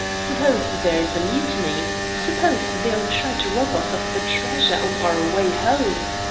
Suppose there's a mutiny? Suppose they try to rob us of the treasure on our way home?